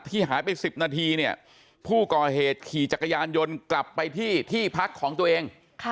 หายไป๑๐นาทีเนี่ยผู้ก่อเหตุขี่จักรยานยนต์กลับไปที่ที่พักของตัวเอง